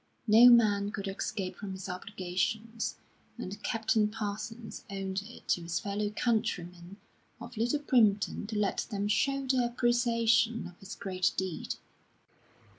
No man could escape from his obligations, and Captain Parsons owed it to his fellow countrymen of Little Primpton to let them show their appreciation of his great deed.